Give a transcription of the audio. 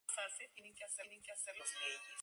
Otro de los pioneros fue Bert Grant de Yakima Brewing.